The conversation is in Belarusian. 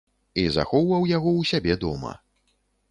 І захоўваў яго ў сябе дома.